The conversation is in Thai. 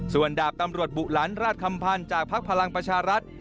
ส่วนดาบตำรวจบุหลานราชคำพันธ์จากภักดิ์พลังประชารัฐ